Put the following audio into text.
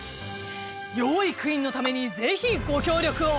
『養育院のためにぜひご協力を』。